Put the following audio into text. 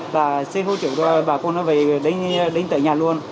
và xin hỗ trợ bà con về đến tỉnh nhà luôn